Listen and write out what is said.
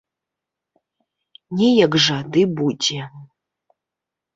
Неяк жа ды будзе.